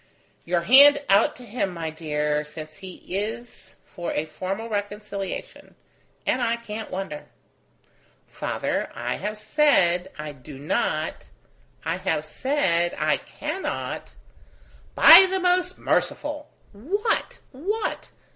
"Your hand out to him, my dear, since he is for a formal reconciliation; and I can't wonder." "Father! I have said I do not ... I have said I cannot ..." "By the most merciful! what? what?